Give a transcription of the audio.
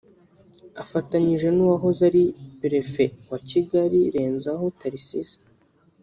afatanije n’wahoze ari Perefe wa Kigali Renzaho Tharcisse